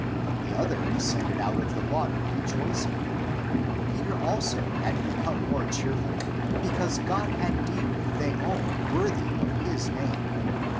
The other ascended out of the water rejoicing; Peter also had become more cheerful, because God had deemed Theon worthy of his name.